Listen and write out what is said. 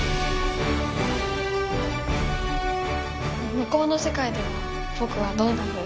向こうの世界ではぼくはどんなふう？